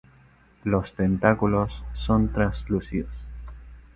Los tentáculos son translúcidos.